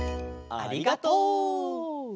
ありがとう！